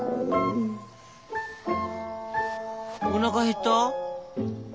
おなか減った？